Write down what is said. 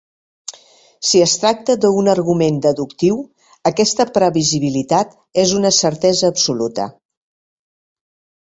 Si es tracta d'un argument deductiu, aquesta previsibilitat és una certesa absoluta.